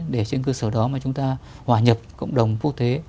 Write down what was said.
để trên cơ sở đó mà chúng ta hòa nhập cộng đồng quốc tế